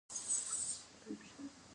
د هند بازار د وچې میوې لپاره لوی دی